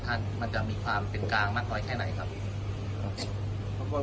อเจมส์อันท่านมันจะมีความเป็นกลางมากเลยแค่ไหนครับ